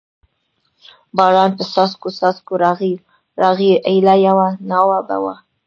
باران په څاڅکو څاڅکو راغی، ایله یوه ناوه به و.